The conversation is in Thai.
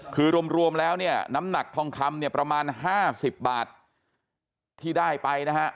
คือรวมแล้วเนี่ยน้ำหนักทองคำเนี่ยประมาณ๕๐บาทที่ได้ไปนะฮะ